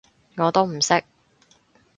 我都唔識